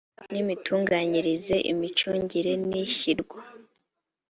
n imitunganyirize imicungire n ishyirwa